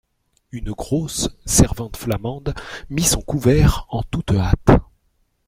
Une grosse servante flamande mit son couvert en toute hâte.